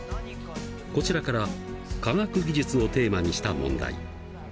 こちらから科学技術をテーマにした問題。